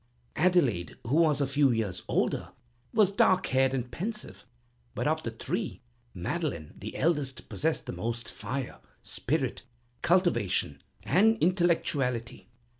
Adelaide, who was a few years older, was dark haired and pensive; but of the three, Madeleine, the eldest, possessed the most fire, spirit, cultivation, and intellectuality.